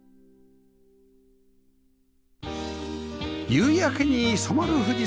夕焼けに染まる富士山